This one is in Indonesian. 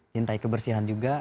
cintai kebersihan juga